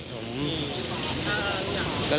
คือยังไงคือเราแบบ